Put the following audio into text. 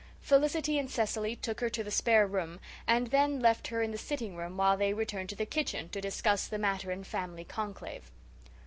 Felicity and Cecily took her to the spare room and then left her in the sitting room while they returned to the kitchen, to discuss the matter in family conclave.